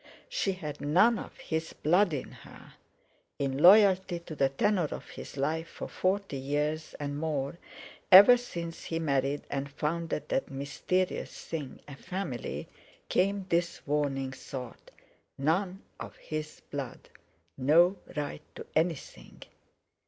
She had none of his blood in her! In loyalty to the tenor of his life for forty years and more, ever since he married and founded that mysterious thing, a family, came this warning thought—None of his blood, no right to anything!